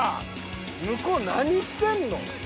向こう何してるの？